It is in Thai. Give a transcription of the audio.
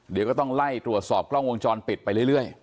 เดี๋ยวก็ต้องไล่ตรวจสอบกล้องวงจรปิดไปเรื่อย